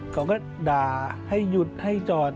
เขาก็ด่าให้หยุดให้จอด